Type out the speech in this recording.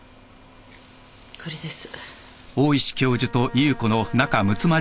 これです。